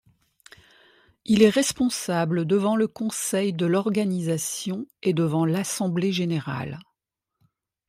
Il est responsable devant le Conseil de l’Organisation et devant l’Assemblée générale.